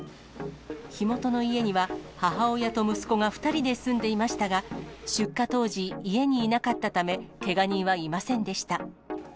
火元の家には、母親と息子が２人で住んでいましたが、出火当時、家にいなかったため、けが人はいませんでした。